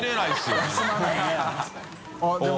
△でも。